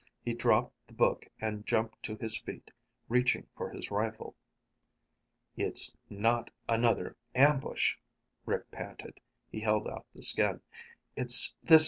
He dropped the book and jumped to his feet, reaching for his rifle. "It's not another ambush," Rick panted. He held out the skin. "It's this.